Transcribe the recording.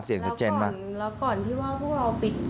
แล้วก่อนที่ว่าพวกเราปิดคลิปเนี่ย